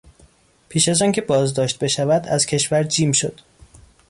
پیش از آنکه بازداشت بشود از کشور جیم شد.